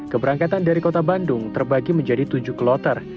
keberangkatan dari kota bandung terbagi menjadi tujuh kloter